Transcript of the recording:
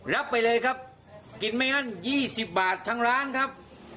รับไปเลยครับกินไม่งั้น๒๐บาททางร้านครับ